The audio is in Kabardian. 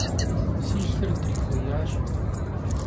Si lhır drixuêyaş.